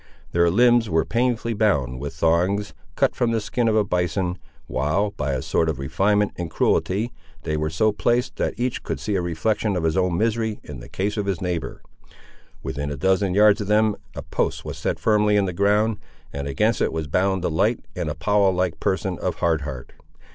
Their limbs were painfully bound with thongs, cut from the skin of a bison, while, by a sort of refinement in cruelty, they were so placed, that each could see a reflection of his own misery in the case of his neighbour. Within a dozen yards of them a post was set firmly in the ground, and against it was bound the light and Apollo like person of Hard Heart.